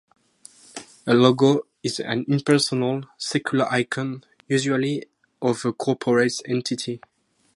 A logo is an impersonal, secular icon, usually of a corporate entity.